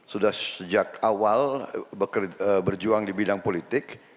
sudah sejak awal berjuang di bidang politik